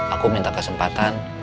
aku minta kesempatan